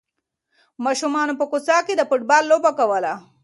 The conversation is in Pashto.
ماشومانو په کوڅه کې د فوټبال لوبه کوله.